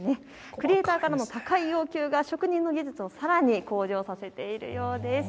クリエーターからの高い要求が職人の技術をさらに向上させているようです。